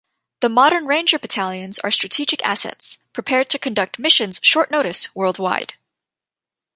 The modern Ranger battalions are strategic assets, prepared to conduct missions short-notice worldwide.